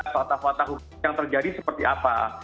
fakta fakta hukum yang terjadi seperti apa